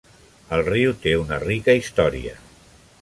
El riu té una rica història.